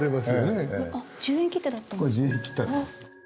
これ１０円切手だったんです。